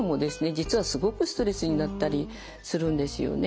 実はすごくストレスになったりするんですよね。